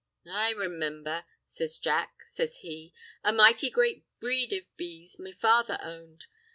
I remimber," says Jack, says he, "a mighty great breed of bees me father owned.